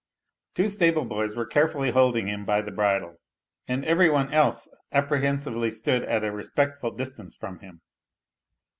Two stable boys were carefully holding him by the bridle, and every one else apprehensively stood at a respectful distance from him.